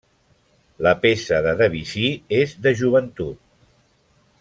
La peça de Debussy és de joventut.